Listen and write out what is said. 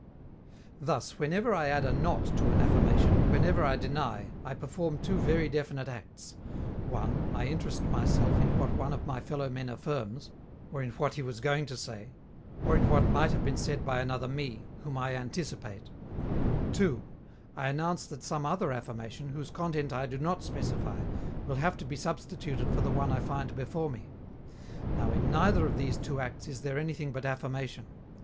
Thus, whenever I add a "not" to an affirmation, whenever I deny, I perform two very definite acts: (1) I interest myself in what one of my fellow men affirms, or in what he was going to say, or in what might have been said by another Me, whom I anticipate; (2) I announce that some other affirmation, whose content I do not specify, will have to be substituted for the one I find before me. Now, in neither of these two acts is there anything but affirmation.